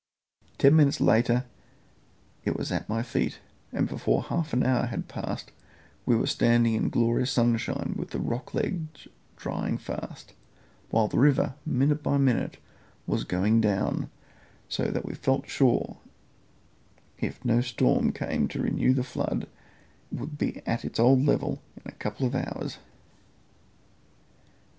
Ten minutes later it was at my feet, and before half an hour had passed we were standing in the glorious sunshine with the rocky ledge drying fast, while the river, minute by minute, was going down, so that we felt sure if no storm came to renew the flood it would be at its old level in a couple of hours' time.